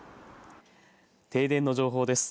停電の情報です。